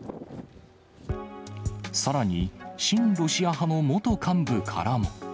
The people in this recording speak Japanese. さらに、親ロシア派の元幹部からも。